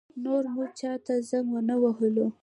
نور مو چا ته زنګ ونه وهلو.